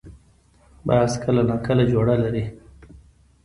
باز کله نا کله جوړه لري